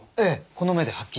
この目ではっきり。